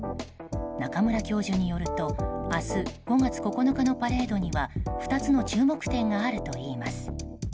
中村教授によると明日５月９日のパレードには２つの注目点があるといいます。